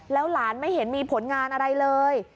แล้วหลานไม่เห็นมีผลงานอะไรเลย